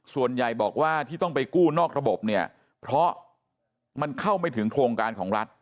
ส่วนใหญ่บอกว่าที่ต้องไปกู้นอกระบบเนี่ยเพราะมันเข้าไม่ถึงโครงการของรัฐ